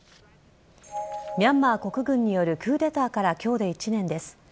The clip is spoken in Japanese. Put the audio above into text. ミャンマー国軍によるクーデターからきょうで１年です。